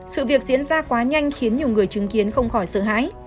sự việc diễn ra quá nhanh khiến nhiều người chứng kiến không khỏi sợ hãi